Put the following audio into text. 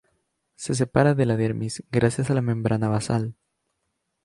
Se separa de la dermis gracias a la membrana basal.